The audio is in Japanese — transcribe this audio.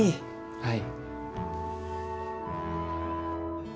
はい。